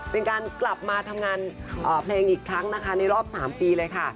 เป็นการกลับมาทำงานเพลงอีกครั้งนะคะในรอบ๓ปีเลยค่ะ